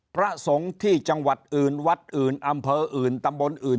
พระสงฆ์ที่จังหวัดอื่นวัดอื่นอำเภออื่นตำบลอื่น